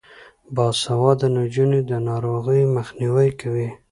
باسواده نجونې د ناروغیو مخنیوی کوي.